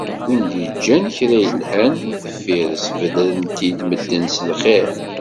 Win d-iǧǧan kra yelhan deffir-s, beddren-t-id medden s lxir